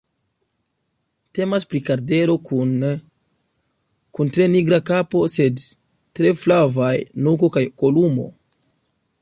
Temas pri kardelo kun tre nigra kapo, sed tre flavaj nuko kaj kolumo.